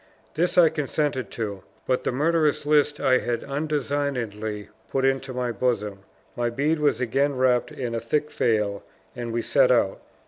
This I consented to; but the murderous list I had undesignedly put into my bosom. My bead was again wrapped in a thick veil, and we set out.